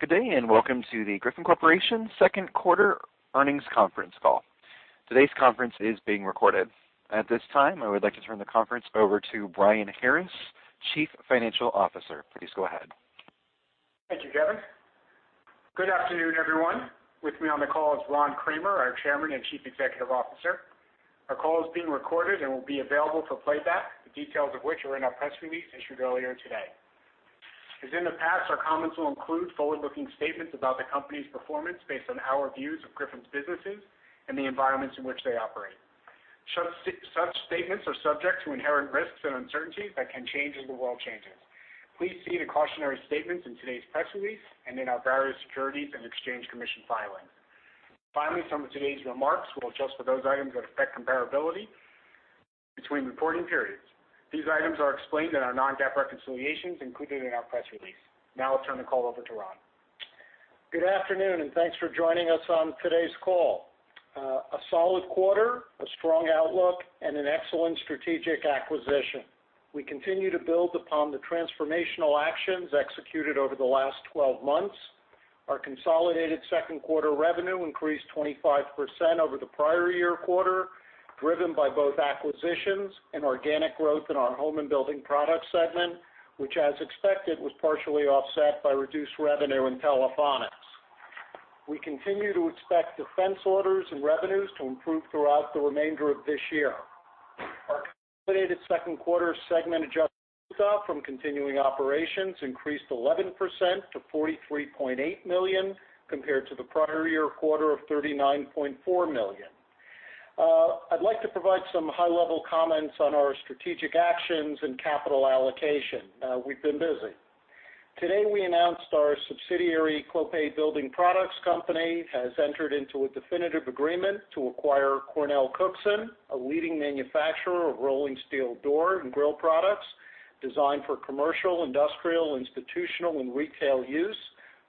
Good day, and welcome to the Griffon Corporation second quarter earnings conference call. Today's conference is being recorded. At this time, I would like to turn the conference over to Brian Harris, Chief Financial Officer. Please go ahead. Thank you, Kevin. Good afternoon, everyone. With me on the call is Ron Kramer, our Chairman and Chief Executive Officer. Our call is being recorded and will be available for playback, the details of which are in our press release issued earlier today. As in the past, our comments will include forward-looking statements about the company's performance based on our views of Griffon's businesses and the environments in which they operate. Such statements are subject to inherent risks and uncertainties that can change as the world changes. Please see the cautionary statements in today's press release and in our various Securities and Exchange Commission filings. Finally, some of today's remarks will adjust for those items that affect comparability between reporting periods. These items are explained in our non-GAAP reconciliations included in our press release. Now I'll turn the call over to Ron. Good afternoon, and thanks for joining us on today's call. A solid quarter, a strong outlook, and an excellent strategic acquisition. We continue to build upon the transformational actions executed over the last 12 months. Our consolidated second quarter revenue increased 25% over the prior year quarter, driven by both acquisitions and organic growth in our Home and Building Products segment, which as expected, was partially offset by reduced revenue in Telephonics. We continue to expect defense orders and revenues to improve throughout the remainder of this year. Our consolidated second quarter segment adjusted EBITDA from continuing operations increased 11% to $43.8 million, compared to the prior year quarter of $39.4 million. I'd like to provide some high-level comments on our strategic actions and capital allocation. We've been busy. Today we announced our subsidiary, Clopay Building Products company, has entered into a definitive agreement to acquire CornellCookson, a leading manufacturer of rolling steel door and grille products designed for commercial, industrial, institutional, and retail use,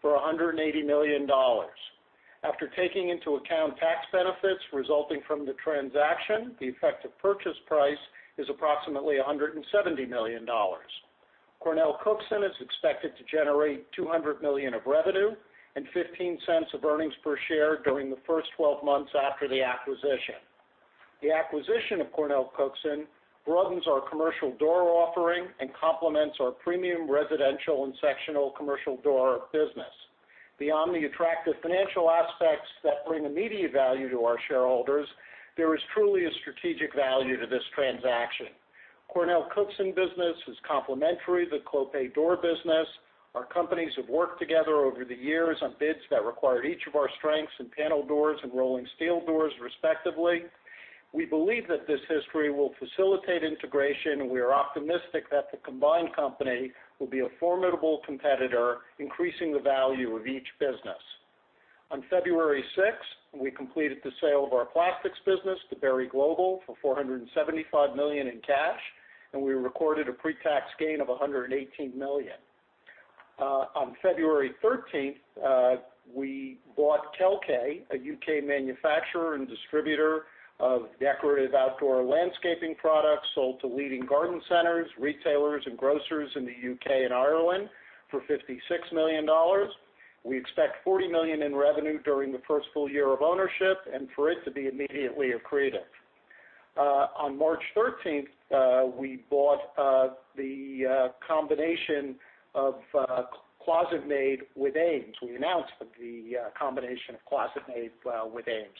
for $180 million. After taking into account tax benefits resulting from the transaction, the effective purchase price is approximately $170 million. CornellCookson is expected to generate $200 million of revenue and $0.15 of earnings per share during the first 12 months after the acquisition. The acquisition of CornellCookson broadens our commercial door offering and complements our premium residential and sectional commercial door business. Our companies have worked together over the years on bids that required each of our strengths in panel doors and rolling steel doors, respectively. We believe that this history will facilitate integration, and we are optimistic that the combined company will be a formidable competitor, increasing the value of each business. On February 6th, we completed the sale of our plastics business to Berry Global for $475 million in cash, and we recorded a pre-tax gain of $118 million. On February 13th, we bought Kelkay, a U.K. manufacturer and distributor of decorative outdoor landscaping products sold to leading garden centers, retailers, and grocers in the U.K. and Ireland for $56 million. We expect $40 million in revenue during the first full year of ownership and for it to be immediately accretive. On March 13th, we bought the combination of ClosetMaid with AMES. We announced the combination of ClosetMaid with AMES.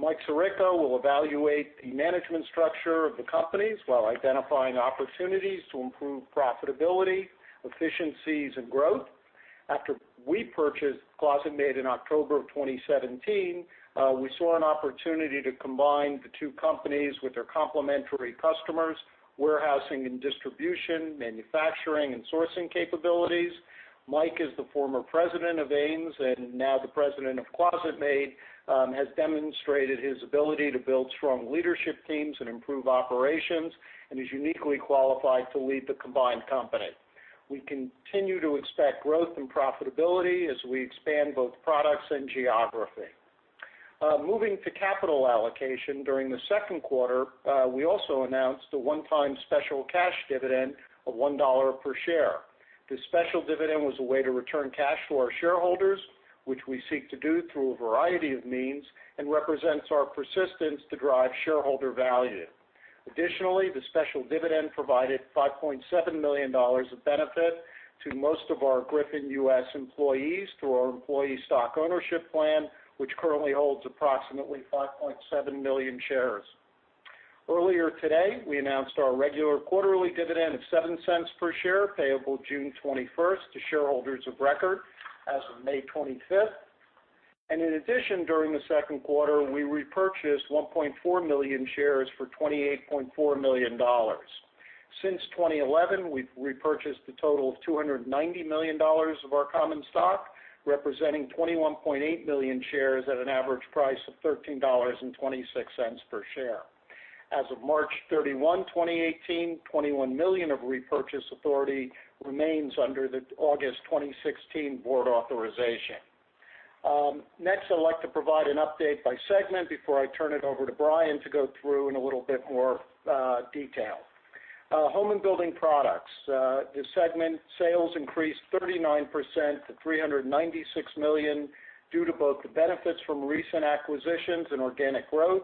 Mike Sarrica will evaluate the management structure of the companies while identifying opportunities to improve profitability, efficiencies, and growth. After we purchased ClosetMaid in October of 2017, we saw an opportunity to combine the two companies with their complementary customers, warehousing and distribution, manufacturing, and sourcing capabilities. Mike Sarrica is the former President of AMES and now the President of ClosetMaid, has demonstrated his ability to build strong leadership teams and improve operations, and is uniquely qualified to lead the combined company. We continue to expect growth and profitability as we expand both products and geography. Moving to capital allocation, during the second quarter, we also announced a one-time special cash dividend of $1 per share. This special dividend was a way to return cash to our shareholders, which we seek to do through a variety of means and represents our persistence to drive shareholder value. Additionally, the special dividend provided $5.7 million of benefit to most of our Griffon U.S. employees through our employee stock ownership plan, which currently holds approximately 5.7 million shares. Earlier today, we announced our regular quarterly dividend of $0.07 per share, payable June 21st to shareholders of record as of May 25th. In addition, during the second quarter, we repurchased 1.4 million shares for $28.4 million. Since 2011, we've repurchased a total of $290 million of our common stock, representing 21.8 million shares at an average price of $13.26 per share. As of March 31, 2018, 21 million of repurchase authority remains under the August 2016 board authorization. I'd like to provide an update by segment before I turn it over to Brian to go through in a little bit more detail. Home and Building Products. The segment sales increased 39% to $396 million due to both the benefits from recent acquisitions and organic growth.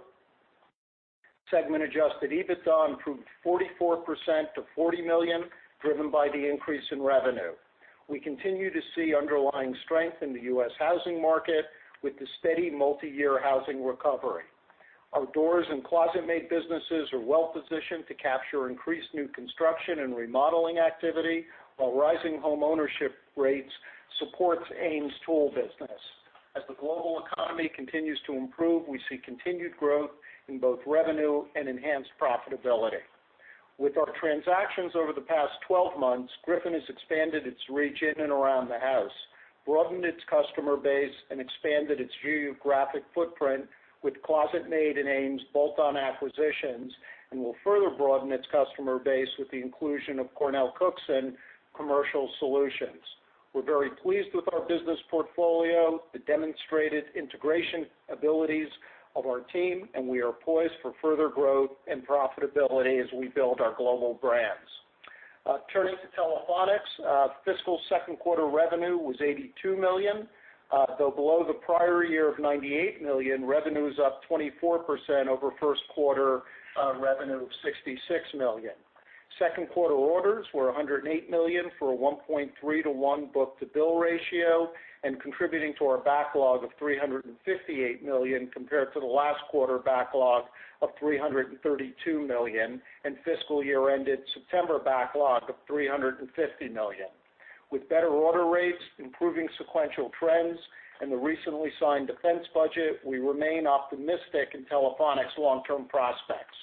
Segment adjusted EBITDA improved 44% to $40 million, driven by the increase in revenue. We continue to see underlying strength in the U.S. housing market with the steady multi-year housing recovery. Our doors and ClosetMaid businesses are well-positioned to capture increased new construction and remodeling activity, while rising homeownership rates supports AMES tool business. As the global economy continues to improve, we see continued growth in both revenue and enhanced profitability. With our transactions over the past 12 months, Griffon has expanded its reach in and around the house, broadened its customer base, and expanded its geographic footprint with ClosetMaid and AMES bolt-on acquisitions, and will further broaden its customer base with the inclusion of CornellCookson Commercial Solutions. We're very pleased with our business portfolio, the demonstrated integration abilities of our team, and we are poised for further growth and profitability as we build our global brands. Turning to Telephonics. Fiscal second quarter revenue was $82 million. Though below the prior year of $98 million, revenue is up 24% over first quarter revenue of $66 million. Second quarter orders were $108 million for a 1.3:1 book-to-bill ratio and contributing to our backlog of $358 million compared to the last quarter backlog of $332 million and fiscal year-ended September backlog of $350 million. With better order rates, improving sequential trends, and the recently signed defense budget, we remain optimistic in Telephonics' long-term prospects.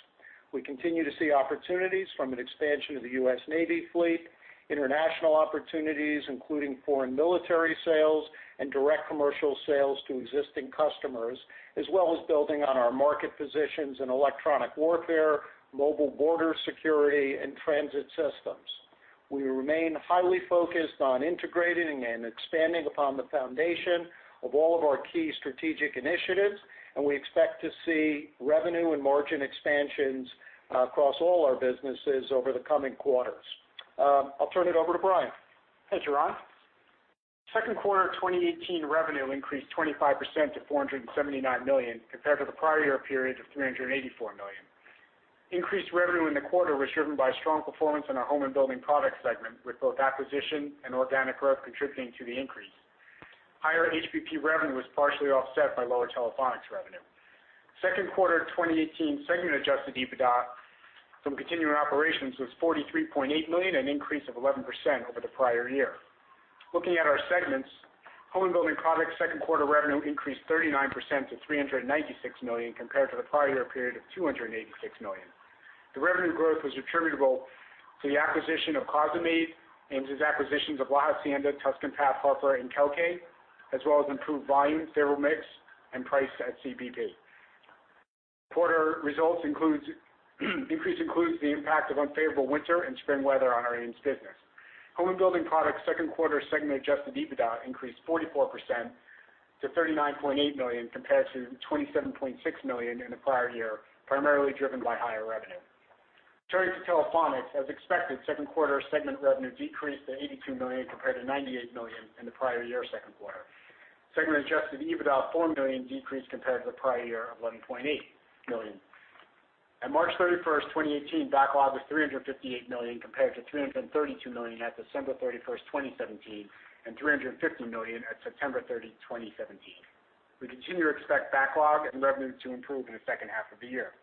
We continue to see opportunities from an expansion of the U.S. Navy fleet, international opportunities, including foreign military sales and direct commercial sales to existing customers, as well as building on our market positions in electronic warfare, mobile border security, and transit systems. We remain highly focused on integrating and expanding upon the foundation of all of our key strategic initiatives. We expect to see revenue and margin expansions across all our businesses over the coming quarters. I'll turn it over to Brian. Thanks, Ron. Second quarter 2018 revenue increased 25% to $479 million compared to the prior year period of $384 million. Increased revenue in the quarter was driven by strong performance in our Home and Building Products segment, with both acquisition and organic growth contributing to the increase. Higher HBP revenue was partially offset by lower Telephonics revenue. Second quarter 2018 segment adjusted EBITDA from continuing operations was $43.8 million, an increase of 11% over the prior year. Looking at our segments, Home and Building Products' second quarter revenue increased 39% to $396 million compared to the prior year period of $286 million. The revenue growth was attributable to the acquisition of ClosetMaid and its acquisitions of La Hacienda, Tuscan Path, Harper, and Kelkay, as well as improved volume, favorable mix, and price at CBP. Quarter results increase includes the impact of unfavorable winter and spring weather on our AMES business. Home and Building Products' second quarter segment adjusted EBITDA increased 44% to $39.8 million compared to $27.6 million in the prior year, primarily driven by higher revenue. Turning to Telephonics. As expected, second quarter segment revenue decreased to $82 million compared to $98 million in the prior year second quarter. Segment adjusted EBITDA of $4 million decreased compared to the prior year of $11.8 million. At March 31st, 2018, backlog was $358 million compared to $332 million at December 31st, 2017, and $350 million at September 30, 2017. We continue to expect backlog and revenue to improve in the second half of the year.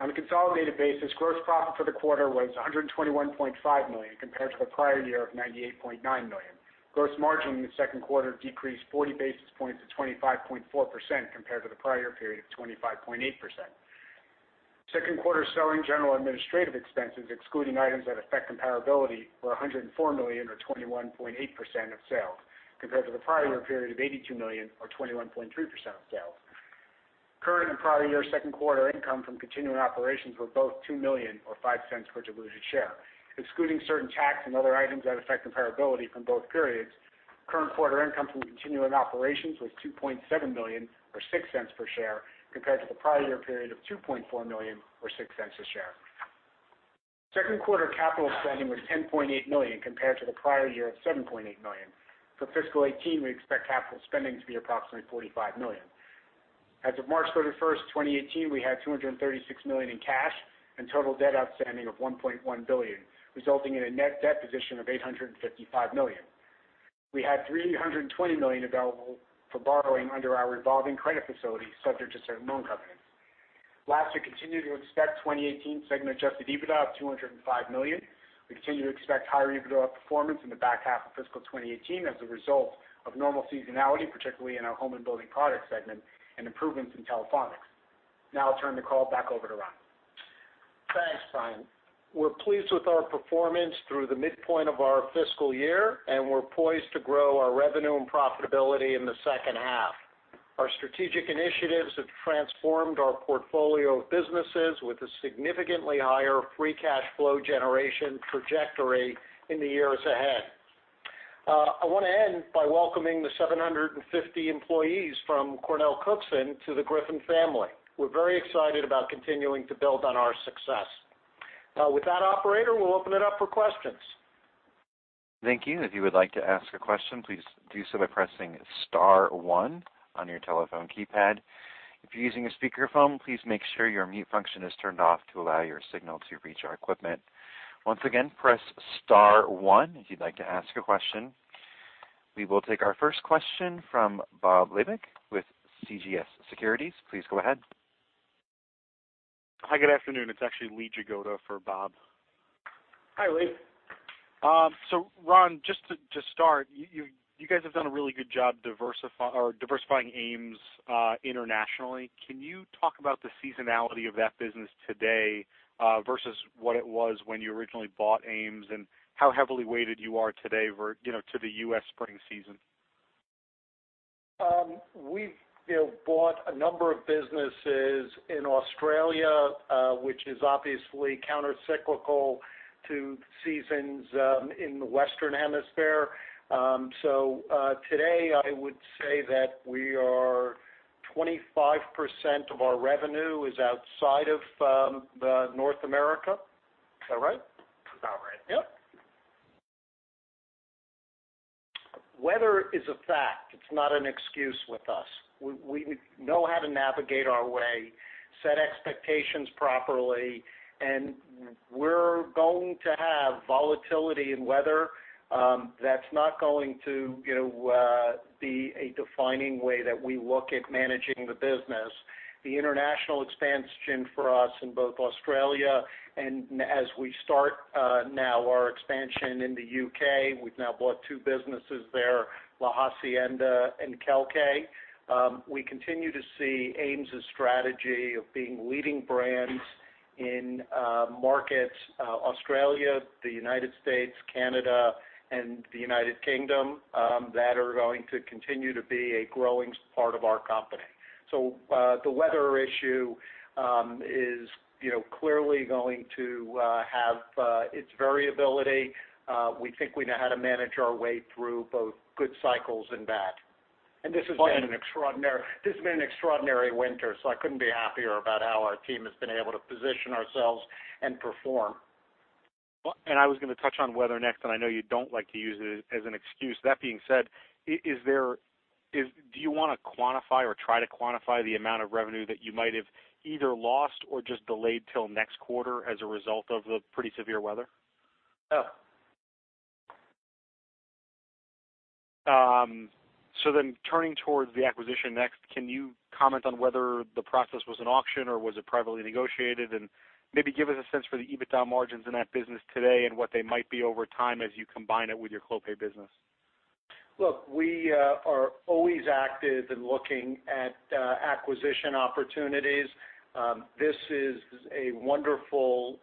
On a consolidated basis, gross profit for the quarter was $121.5 million compared to the prior year of $98.9 million. Gross margin in the second quarter decreased 40 basis points to 25.4% compared to the prior period of 25.8%. Second quarter selling, general, and administrative expenses, excluding items that affect comparability, were $104 million or 21.8% of sales, compared to the prior year period of $82 million or 21.3% of sales. Current and prior year second quarter income from continuing operations were both $2 million or $0.05 per diluted share. Excluding certain tax and other items that affect comparability from both periods, current quarter income from continuing operations was $2.7 million or $0.06 per share, compared to the prior year period of $2.4 million or $0.06 a share. Second quarter capital spending was $10.8 million compared to the prior year of $7.8 million. For fiscal 2018, we expect capital spending to be approximately $45 million. As of March 31, 2018, we had $236 million in cash and total debt outstanding of $1.1 billion, resulting in a net debt position of $855 million. We had $320 million available for borrowing under our revolving credit facility, subject to certain loan covenants. Last, we continue to expect 2018 segment adjusted EBITDA of $205 million. We continue to expect higher EBITDA performance in the back half of fiscal 2018 as a result of normal seasonality, particularly in our Home and Building Products segment, and improvements in Telephonics. Now I'll turn the call back over to Ron. Thanks, Brian. We're pleased with our performance through the midpoint of our fiscal year, and we're poised to grow our revenue and profitability in the second half. Our strategic initiatives have transformed our portfolio of businesses with a significantly higher free cash flow generation trajectory in the years ahead. I want to end by welcoming the 750 employees from CornellCookson to the Griffon family. We're very excited about continuing to build on our success. With that, operator, we'll open it up for questions. Thank you. If you would like to ask a question, please do so by pressing star one on your telephone keypad. If you're using a speakerphone, please make sure your mute function is turned off to allow your signal to reach our equipment. Once again, press star one if you'd like to ask a question. We will take our first question from Bob Labick with CJS Securities. Please go ahead. Hi. Good afternoon. It's actually Lee Jagoda for Bob. Hi, Lee. Ron, just to start, you guys have done a really good job diversifying AMES internationally. Can you talk about the seasonality of that business today versus what it was when you originally bought AMES, and how heavily weighted you are today to the U.S. spring season? We've bought a number of businesses in Australia, which is obviously counter-cyclical to seasons in the Western Hemisphere. Today, I would say that we are 25% of our revenue is outside of North America. Is that right? That's about right. Yep. Weather is a fact. It's not an excuse with us. We know how to navigate our way, set expectations properly, and we're going to have volatility in weather. That's not going to be a defining way that we look at managing the business. The international expansion for us in both Australia and as we start now our expansion in the U.K., we've now bought two businesses there, La Hacienda and Kelkay. We continue to see AMES' strategy of being leading brands in markets Australia, the United States, Canada, and the United Kingdom, that are going to continue to be a growing part of our company. The weather issue is clearly going to have its variability. We think we know how to manage our way through both good cycles and bad. This has been an extraordinary winter, so I couldn't be happier about how our team has been able to position ourselves and perform. I was going to touch on weather next, and I know you don't like to use it as an excuse. That being said, do you want to quantify or try to quantify the amount of revenue that you might have either lost or just delayed till next quarter as a result of the pretty severe weather? No. Can you comment on whether the process was an auction, or was it privately negotiated? And maybe give us a sense for the EBITDA margins in that business today and what they might be over time as you combine it with your Clopay business. Look, we are always active in looking at acquisition opportunities. This is a wonderful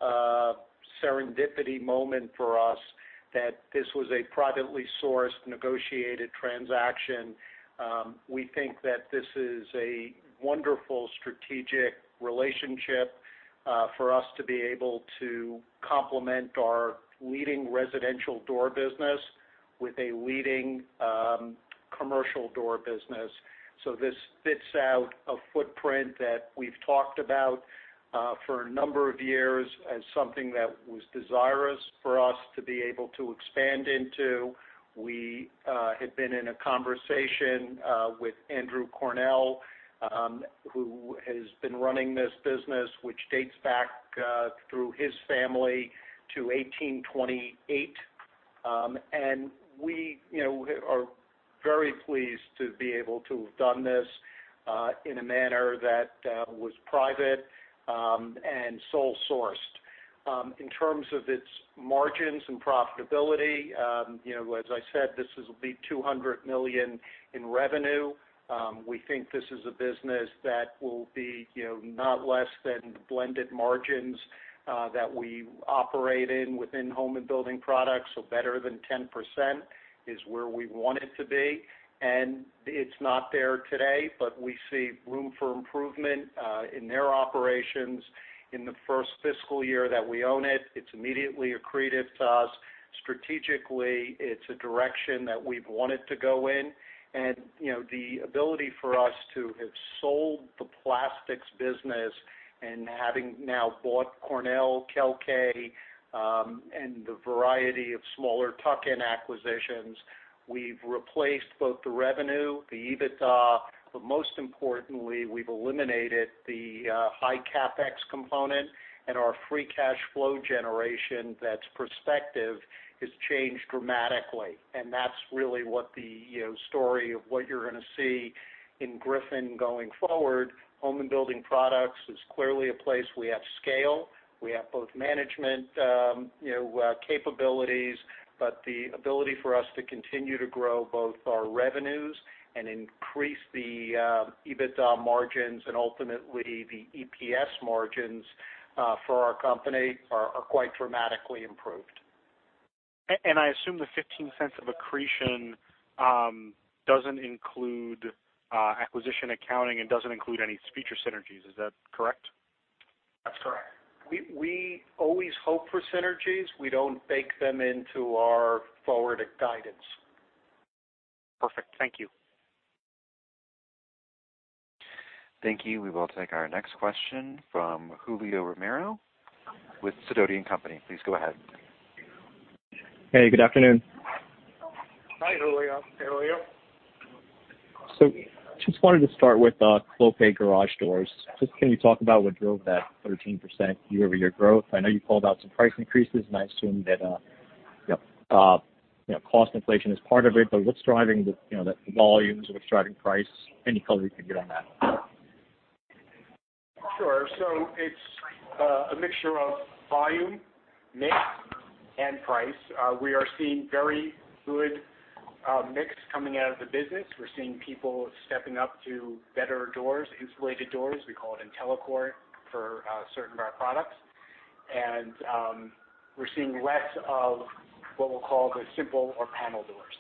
serendipity moment for us that this was a privately sourced, negotiated transaction. We think that this is a wonderful strategic relationship for us to be able to complement our leading residential door business with a leading commercial door business. This fits out a footprint that we've talked about for a number of years as something that was desirous for us to be able to expand into. We had been in a conversation with Andrew Cornell, who has been running this business, which dates back through his family to 1828. We are very pleased to be able to have done this in a manner that was private and sole-sourced. In terms of its margins and profitability, as I said, this is a big $200 million in revenue. We think this is a business that will be not less than blended margins that we operate in within Home and Building Products, better than 10% is where we want it to be. It's not there today, but we see room for improvement in their operations in the first fiscal year that we own it. It's immediately accretive to us. Strategically, it's a direction that we've wanted to go in. The ability for us to have sold the plastics business and having now bought Cornell, Kelkay, and a variety of smaller tuck-in acquisitions, we've replaced both the revenue, the EBITDA, but most importantly, we've eliminated the high CapEx component and our free cash flow generation that's prospective has changed dramatically, and that's really what the story of what you're going to see in Griffon going forward. Home and Building Products is clearly a place we have scale. We have both management capabilities, the ability for us to continue to grow both our revenues and increase the EBITDA margins and ultimately the EPS margins for our company are quite dramatically improved. I assume the $0.15 of accretion doesn't include acquisition accounting and doesn't include any future synergies. Is that correct? That's correct. We always hope for synergies. We don't bake them into our forward guidance. Perfect. Thank you. Thank you. We will take our next question from Julio Romero with Sidoti & Company. Please go ahead. Hey, good afternoon. Hi, Julio. How are you? Just wanted to start with Clopay garage doors. Just can you talk about what drove that 13% year-over-year growth? I know you called out some price increases, and I assume that cost inflation is part of it, but what's driving the volumes, what's driving price? Any color you can give on that. Sure. It's a mixture of volume, mix, and price. We are seeing very good mix coming out of the business. We're seeing people stepping up to better doors, insulated doors. We call it IntelliCore for certain of our products. We're seeing less of what we'll call the simple or panel doors.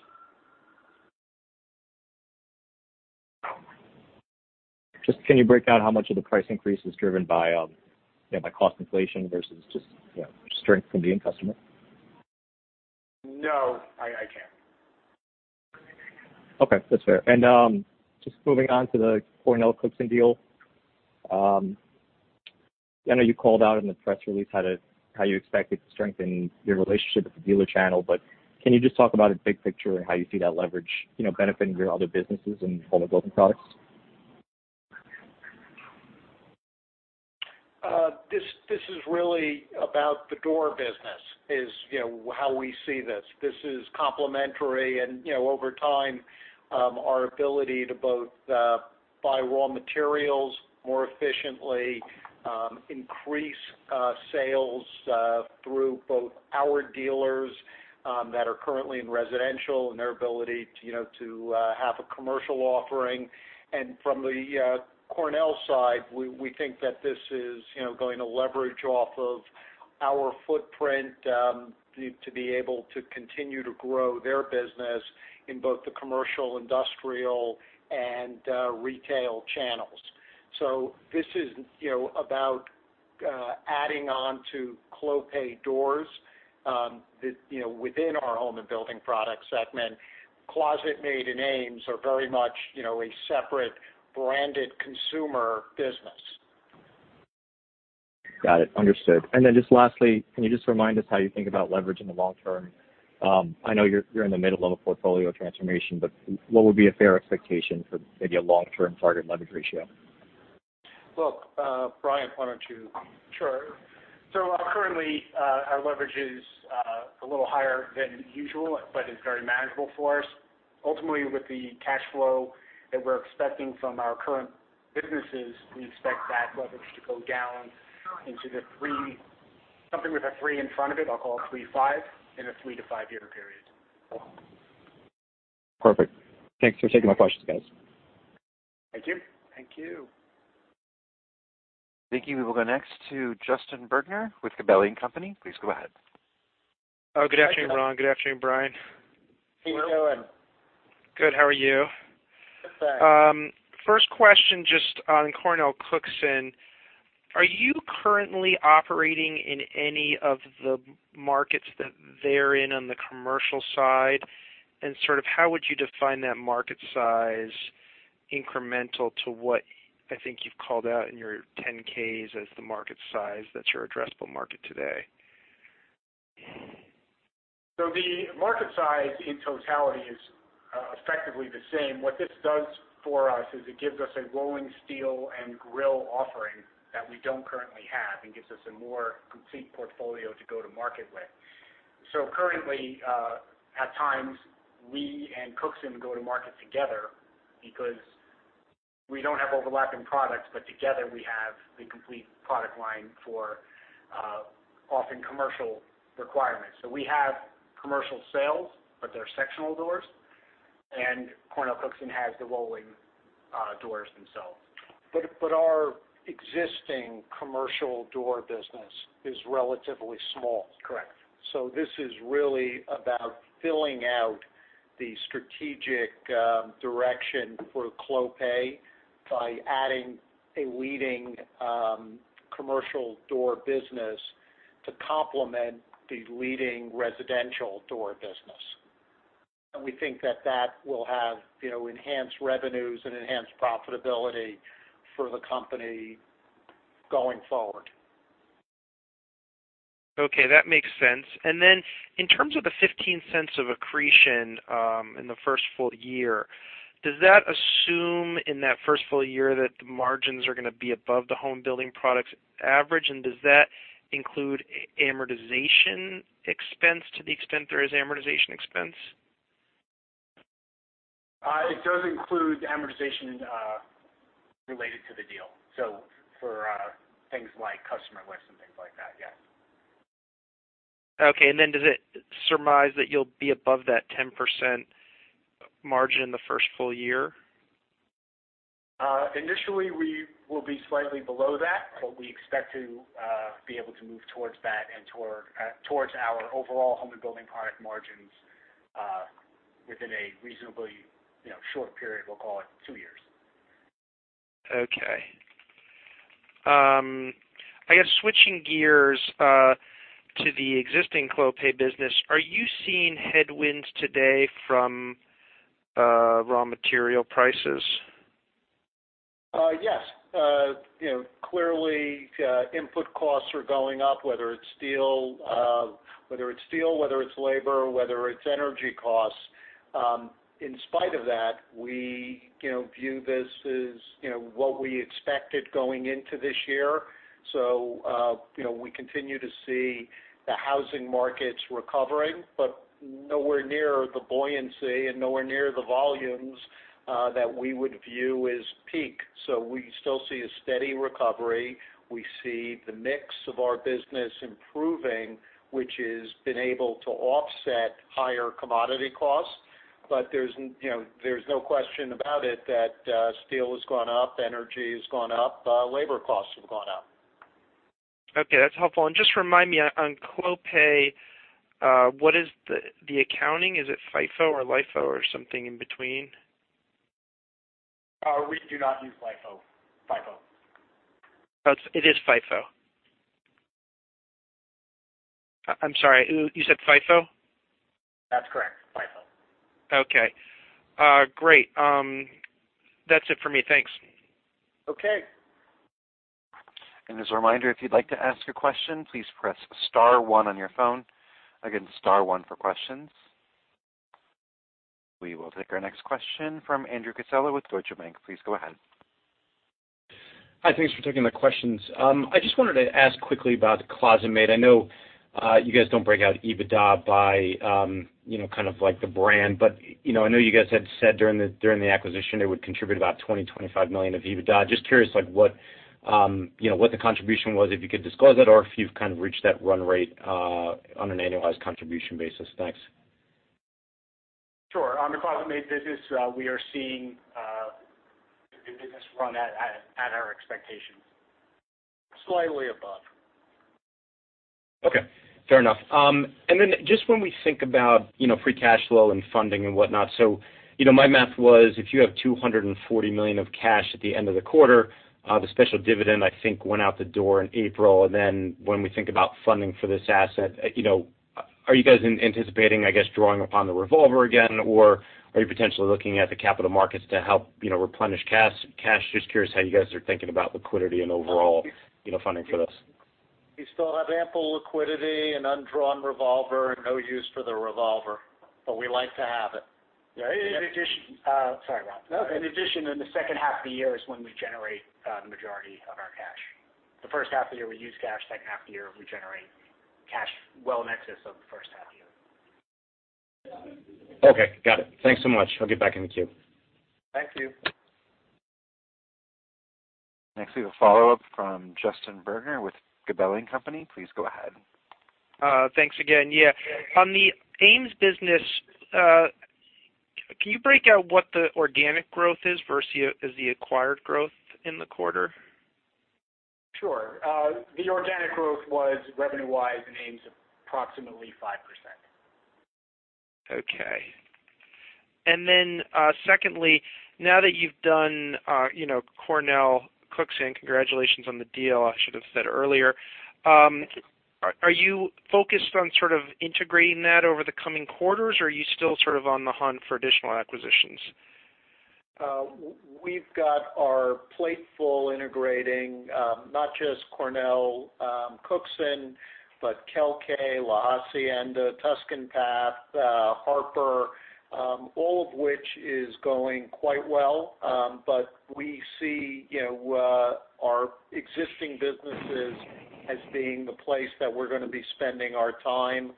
Just can you break out how much of the price increase is driven by cost inflation versus just strength from the end customer? No, I can't. Okay. That's fair. Just moving on to the CornellCookson deal. I know you called out in the press release how you expect it to strengthen your relationship with the dealer channel, can you just talk about it big picture and how you see that leverage benefiting your other businesses in Home and Building Products? This is really about the door business, is how we see this. This is complementary and over time, our ability to both buy raw materials more efficiently, increase sales through both our dealers that are currently in residential and their ability to have a commercial offering. From the Cornell side, we think that this is going to leverage off of our footprint to be able to continue to grow their business in both the commercial, industrial, and retail channels. This is about adding on to Clopay doors within our Home and Building Products segment. ClosetMaid and Ames are very much a separate branded consumer business. Got it. Understood. Just lastly, can you just remind us how you think about leverage in the long term? I know you're in the middle of a portfolio transformation, what would be a fair expectation for maybe a long-term target leverage ratio? Look, Brian, why don't you? Sure. Currently, our leverage is a little higher than usual, is very manageable for us. Ultimately, with the cash flow that we're expecting from our current businesses, we expect that leverage to go down into something with a three in front of it. I'll call it 3.5 in a three to five-year period. Cool. Perfect. Thanks for taking my questions, guys. Thank you. Thank you. Thank you. We will go next to Justin Bergner with Gabelli & Company. Please go ahead. Oh, good afternoon, Ron. Good afternoon, Brian. How you doing? Good. How are you? Good, thanks. First question, just on CornellCookson. Are you currently operating in any of the markets that they're in on the commercial side? How would you define that market size incremental to what I think you've called out in your 10-Ks as the market size that's your addressable market today? The market size in totality is effectively the same. What this does for us is it gives us a rolling steel and grille offering that we don't currently have and gives us a more complete portfolio to go to market with. Currently, at times, we and Cookson go to market together because we don't have overlapping products, together we have the complete product line for often commercial requirements. We have commercial sales, but they're sectional doors, and CornellCookson has the rolling doors themselves. Our existing commercial door business is relatively small. Correct. This is really about filling out the strategic direction for Clopay by adding a leading commercial door business to complement the leading residential door business. We think that that will have enhanced revenues and enhanced profitability for the company going forward. Okay. That makes sense. Then in terms of the $0.15 of accretion in the first full year, does that assume in that first full year that the margins are going to be above the Home and Building Products average? Does that include amortization expense to the extent there is amortization expense? It does include amortization related to the deal. For things like customer lists and things like that, yes. Okay. Does it surmise that you'll be above that 10% margin in the first full year? Initially, we will be slightly below that. We expect to be able to move towards that and towards our overall Home and Building Products margins within a reasonably short period. We'll call it two years. Okay. I guess switching gears to the existing Clopay business, are you seeing headwinds today from raw material prices? Yes. Clearly, input costs are going up, whether it's steel, whether it's labor, or whether it's energy costs. In spite of that, we view this as what we expected going into this year. We continue to see the housing markets recovering, but nowhere near the buoyancy and nowhere near the volumes that we would view as peak. We still see a steady recovery. We see the mix of our business improving, which has been able to offset higher commodity costs. There's no question about it that steel has gone up, energy has gone up, labor costs have gone up. Okay, that's helpful. Just remind me on Clopay, what is the accounting? Is it FIFO or LIFO or something in between? We do not use LIFO. FIFO. It is FIFO? I'm sorry, you said FIFO? That's correct, FIFO. Okay. Great. That's it for me. Thanks. Okay. As a reminder, if you'd like to ask a question, please press star one on your phone. Again, star one for questions. We will take our next question from Andrew Casella with Deutsche Bank. Please go ahead. Hi, thanks for taking the questions. I just wanted to ask quickly about ClosetMaid. I know you guys don't break out EBITDA by the brand, but I know you guys had said during the acquisition it would contribute about $20 million, $25 million of EBITDA. Just curious what the contribution was, if you could disclose it or if you've reached that run rate on an annualized contribution basis. Thanks. Sure. On the ClosetMaid business, we are seeing the business run at our expectations. Slightly above. Okay, fair enough. Just when we think about free cash flow and funding and whatnot, my math was if you have $240 million of cash at the end of the quarter, the special dividend I think went out the door in April. When we think about funding for this asset, are you guys anticipating, I guess, drawing upon the revolver again? Are you potentially looking at the capital markets to help replenish cash? Just curious how you guys are thinking about liquidity and overall funding for this. We still have ample liquidity and undrawn revolver and no use for the revolver, we like to have it. Yeah. Sorry, Ron. No. In the second half of the year is when we generate the majority of our cash. The first half of the year, we use cash. Second half of the year, we generate cash well in excess of the first half year. Okay, got it. Thanks so much. I'll get back in the queue. Thank you. Next, we have a follow-up from Justin Bergner with Gabelli & Company. Please go ahead. Thanks again. Yeah. On the Ames business, can you break out what the organic growth is versus the acquired growth in the quarter? Sure. The organic growth was revenue-wise in Ames approximately 5%. Okay. Secondly, now that you've done CornellCookson, congratulations on the deal, I should have said earlier. Thank you. Are you focused on sort of integrating that over the coming quarters, or are you still sort of on the hunt for additional acquisitions? We've got our plate full integrating not just CornellCookson, but Kelkay, La Hacienda, Tuscan Path, Harper, all of which is going quite well. We see our existing businesses as being the place that we're going to be spending our time.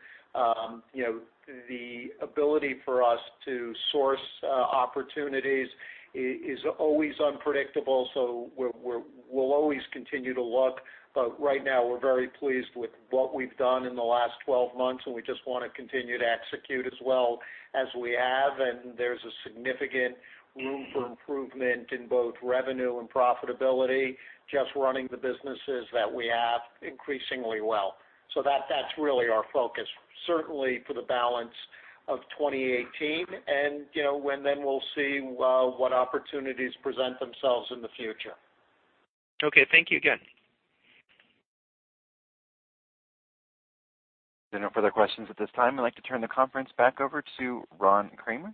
The ability for us to source opportunities is always unpredictable, so we'll always continue to look. Right now, we're very pleased with what we've done in the last 12 months, and we just want to continue to execute as well as we have. There's a significant room for improvement in both revenue and profitability, just running the businesses that we have increasingly well. That's really our focus, certainly for the balance of 2018. Then we'll see what opportunities present themselves in the future. Okay. Thank you again. There are no further questions at this time. I'd like to turn the conference back over to Ron Kramer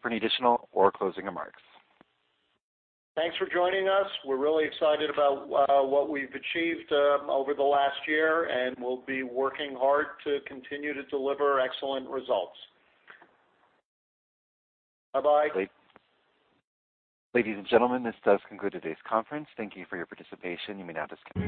for any additional or closing remarks. Thanks for joining us. We're really excited about what we've achieved over the last year. We'll be working hard to continue to deliver excellent results. Bye-bye. Ladies and gentlemen, this does conclude today's conference. Thank you for your participation. You may now disconnect.